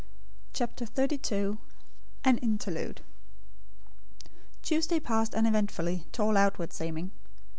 CHAPTER XXXII AN INTERLUDE Tuesday passed uneventfully, to all outward seeming.